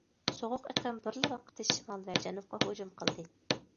سوغۇق ئېقىم بىرلا ۋاقىتتا شىمال ۋە جەنۇبقا ھۇجۇم قىلدى.